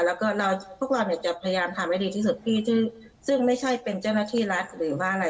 แล้วก็เราพวกเราเนี่ยจะพยายามทำให้ดีที่สุดพี่ซึ่งไม่ใช่เป็นเจ้าหน้าที่รัฐหรือว่าอะไร